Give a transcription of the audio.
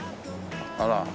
あら。